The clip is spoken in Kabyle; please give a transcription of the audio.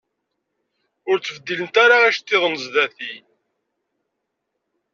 Ur ttbeddilent ara iceṭṭiḍen sdat-i.